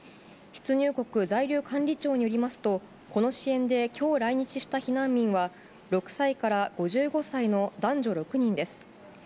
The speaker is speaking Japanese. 出入国在留管理庁によりますと、この支援できょう来日した避難民は、６歳から５５歳の男女６人です。